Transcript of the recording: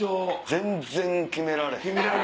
全然決められへん！